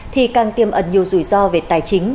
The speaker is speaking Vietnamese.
thì càng tiêm ẩn nhiều rủi ro về tài chính